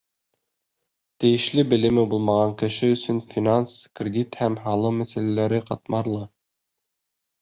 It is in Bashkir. Тейешле белеме булмаған кеше өсөн финанс, кредит һәм һалым мәсьәләләре ҡатмарлы.